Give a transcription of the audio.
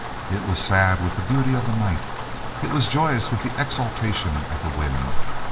It was sad with the beauty of the night. It was joyous with the exultation of the wind.